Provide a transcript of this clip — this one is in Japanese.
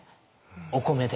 お米で。